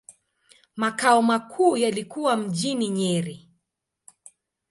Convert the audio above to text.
Makao makuu yalikuwa mjini Nyeri.